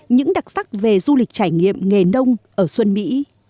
những đặc sắc về du lịch trải nghiệm nghề nông ở xuân mỹ